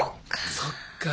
そっか。